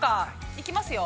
行きますよ。